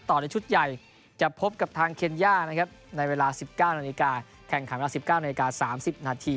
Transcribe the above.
เปิดสแตนบายได้เลยครับ